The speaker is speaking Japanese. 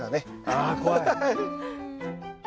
ああ怖い。